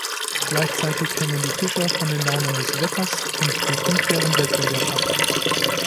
Gleichzeitig hängen die Fischer von den Launen des Wetters und dem unfairen Wettbewerb ab.